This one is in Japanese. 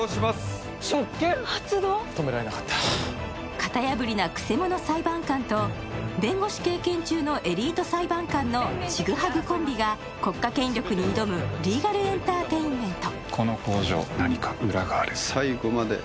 型破りなくせ者裁判官と弁護士経験中のエリート裁判官のちぐはぐコンビが国家権力に挑むリーガルエンターテインメント。